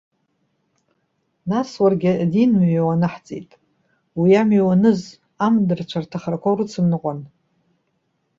Нас, уаргьы адин амҩа уанаҳҵеит. Уи амҩа уаныз, амдырцәа рҭахрақәа урыцымныҟәан.